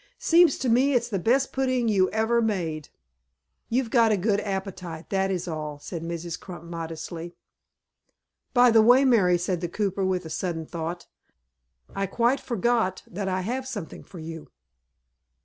"Seems to me it's the best pudding you ever made." "You've got a good appetite, that is all," said Mrs. Crump, modestly. "By the way, Mary," said the cooper, with a sudden thought, "I quite forgot that I have something for you."